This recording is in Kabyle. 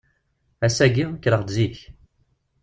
Ass-agi, kkreɣ-d zik.